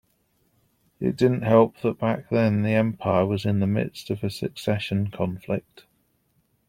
It didn't help that back then the empire was in the midst of a succession conflict.